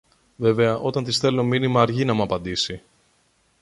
Βέβαια όταν της στέλνω μήνυμα αργεί να μου απαντήσει.